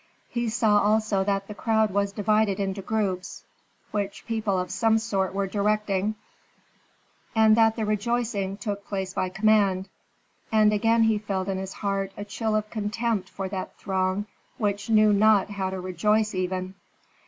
He saw also that the crowd was divided into groups which people of some sort were directing, and that the rejoicing took place by command. And again he felt in his heart a chill of contempt for that throng which knew not how to rejoice even.